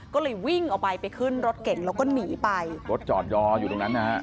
ก็เลยวิ่งออกไปไปขึ้นรถเก่งแล้วก็หนีไปรถจอดยออยู่ตรงนั้นนะฮะ